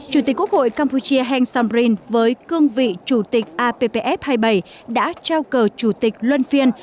chủ tịch quốc hội campuchia heng somrin với cương vị chủ tịch appf hai mươi bảy đã trao cờ chủ tịch luân phiên